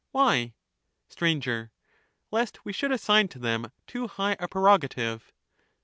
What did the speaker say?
Why? Str. Lest we should assign to them too high a prerogative.